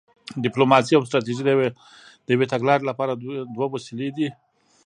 ډیپلوماسي او ستراتیژي د یوې تګلارې لپاره دوه وسیلې دي